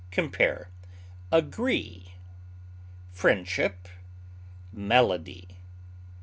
Compare AGREE; FRIENDSHIP; MELODY.